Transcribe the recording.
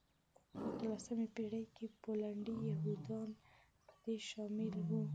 اتلمسې پېړۍ کې پولنډي یهودان په دې شامل وو.